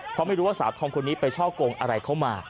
เพราะไม่รู้ว่าสาวธอมคนนี้ไปช่อกงอะไรเข้ามา